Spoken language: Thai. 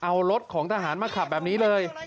เอารถของทหารมาขับแบบนี้เลย